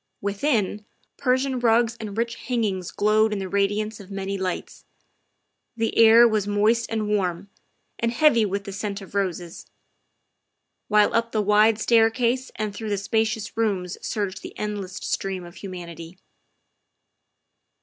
Within, Persian rugs and rich hangings glowed in the radiance of many lights; the air was moist and warm, and heavy with the scent of roses; while up the wide staircase and through the spacious rooms surged the endless stream of humanity.